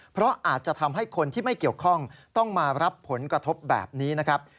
เพราะอาจจะทำให้คนที่ไม่เกี่ยวข้องต้องมารับผลกระทบแบบนี้นะครับ